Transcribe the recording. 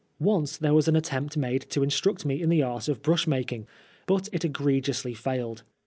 Once there was an attempt made to in struct me in the art of brush making, but it egregiously failed.